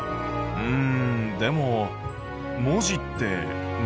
うん。